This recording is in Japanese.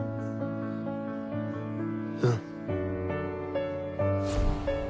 うん。